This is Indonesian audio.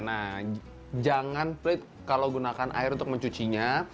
nah jangan pelit kalau gunakan air untuk mencucinya